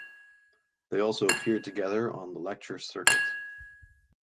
They also appeared together on the lecture circuit.